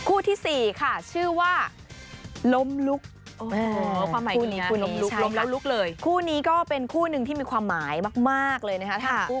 คู่ที่สี่ค่ะชื่อว่าล้มลุกคู่นี้ก็เป็นคู่นึงที่มีความหมายมากเลยนะครับ